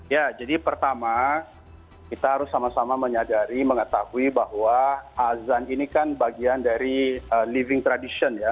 ya jadi pertama kita harus sama sama menyadari mengetahui bahwa azan ini kan bagian dari living tradition ya